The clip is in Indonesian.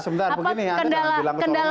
apa kendala utamanya